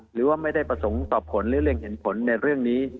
หรือว่าไม่ได้ประสงค์ตอบผลหรือเร็งเห็นผลในเรื่องนี้